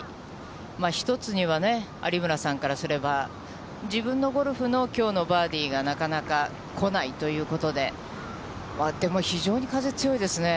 一つにはね、有村さんからすれば、自分のゴルフのきょうのバーディーが、なかなかこないということで、あっ、でも非常に風強いですね。